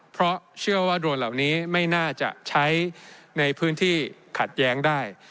เพราะเชื่อว่าโดรนเหล่านี้ไม่น่าจะใช้ในพื้นที่ขัดแย้งได้